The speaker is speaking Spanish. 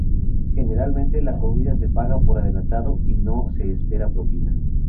Generalmente, la comida se paga por adelantado y no se espera propina.